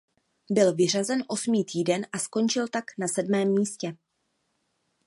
Byl vyřazen osmý týden a skončil tak na sedmém místě.